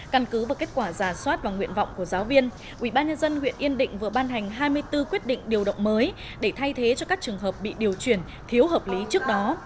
căn cứ vào kết quả giả soát và nguyện vọng của giáo viên ubnd huyện yên định vừa ban hành hai mươi bốn quyết định điều động mới để thay thế cho các trường hợp bị điều chuyển thiếu hợp lý trước đó